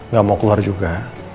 gak mau keluar juga